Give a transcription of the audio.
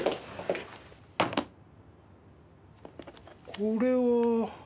これは。